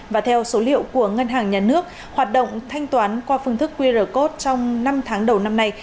và theo số liệu của ngân hàng nhà nước hoạt động thanh toán qua phương thức qr code trong năm tháng đầu năm nay